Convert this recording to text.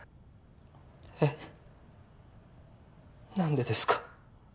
えっ？何でですか？